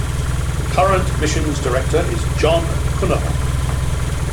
The current Missions Director is Jon Konnerup.